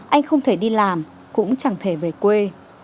anh không thể đi làm cũng chẳng thể về quê